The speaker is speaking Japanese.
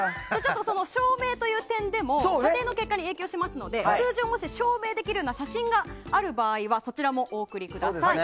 証明という点でも査定の結果に影響しますので数字をもし証明できるような写真がある場合はそちらもお送りください。